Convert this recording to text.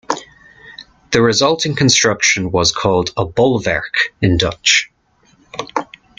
The resulting construction was called a "bolwerk" in Dutch.